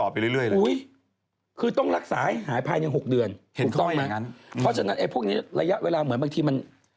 เพราะฉะนั้นไอ้พวกนี้ระยะเวลาเหมือนบางทีมัน